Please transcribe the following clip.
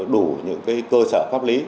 đủ những cái cơ sở pháp lý